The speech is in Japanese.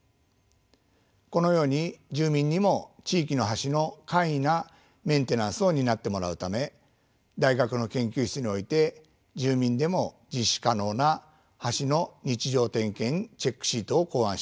このように住民にも地域の橋の簡易なメンテナンスを担ってもらうため大学の研究室において住民でも実施可能な橋の日常点検チェックシートを考案しました。